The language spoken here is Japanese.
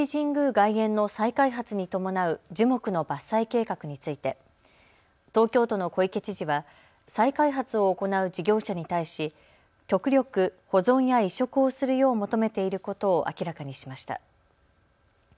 外苑の再開発に伴う樹木の伐採計画について東京都の小池知事は再開発を行う事業者に対し極力、保存や移植をするよう求めていることを明らかにしました。